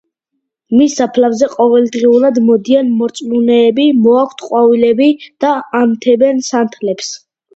მის საფლავზე ყოველდღიურად მოდიან მორწმუნეები, მოაქვთ ყვავილები და ანთებენ სანთლებს.